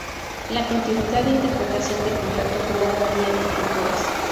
La continuidad e interpretación del contacto ocular varía entre culturas.